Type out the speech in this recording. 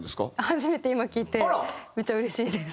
初めて今聞いてめっちゃうれしいです。